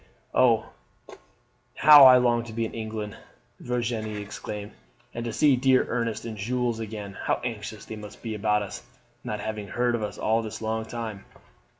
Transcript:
"Oh, how I long to be in England," Virginie exclaimed, "and to see dear Ernest and Jules again! How anxious they must be about us, not having heard of us all this long time!